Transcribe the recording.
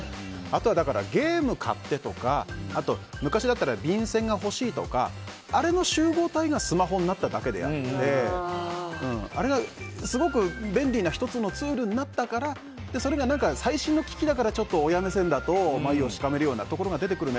あとはゲーム買ってとか昔だったら便せんが欲しいとかあれの集合体がスマホになっただけであってあれがすごく便利な１つのツールになったからそれが最新の機器だから親目線だと眉をしかめるようなところが出てくる。